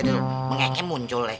dulu bengeknya muncul leh